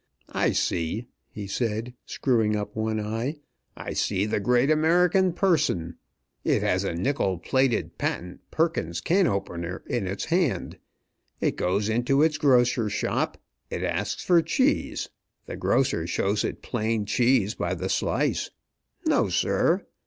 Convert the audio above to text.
I see," he said, screwing up one eye "I see the great American person. It has a nickel plated, patent Perkins Can opener in its hand. It goes into its grocer shop. It asks for cheese. The grocer shows it plain cheese by the slice. No, sir!